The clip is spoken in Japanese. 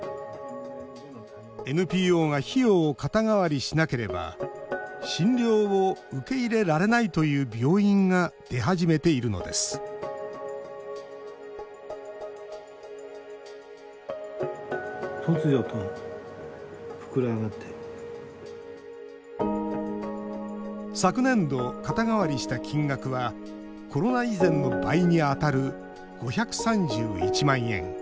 ＮＰＯが費用を肩代わりしなければ診療を受け入れられないという病院が出始めているのです昨年度、肩代わりした金額はコロナ以前の倍に当たる５３１万円。